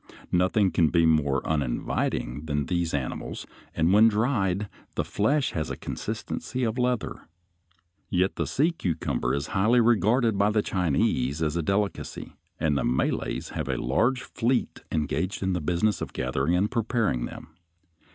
Nothing can be more uninviting than these animals, and when dried the flesh has the consistency of leather. Yet the sea cucumber is highly regarded by the Chinese as a delicacy, and the Malays have a large fleet engaged in the business of gathering and preparing them.